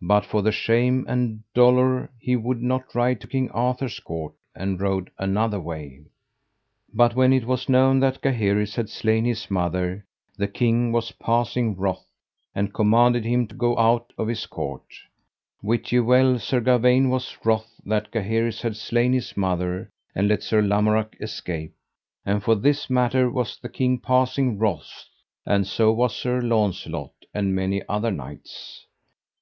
But for the shame and dolour he would not ride to King Arthur's court, but rode another way. But when it was known that Gaheris had slain his mother the king was passing wroth, and commanded him to go out of his court. Wit ye well Sir Gawaine was wroth that Gaheris had slain his mother and let Sir Lamorak escape. And for this matter was the king passing wroth, and so was Sir Launcelot, and many other knights.